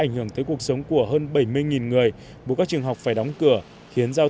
ảnh hưởng tới cuộc sống của hơn bảy mươi người buộc các trường học phải đóng cửa khiến giao